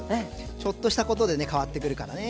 ちょっとしたことでね変わってくるからね。